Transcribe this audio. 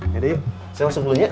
yaudah yuk saya langsung pulang ya